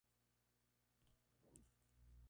Fue producida por Gold Film y emitida por Fox Turquía.